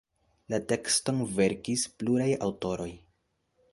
La tekston verkis pluraj aŭtoroj.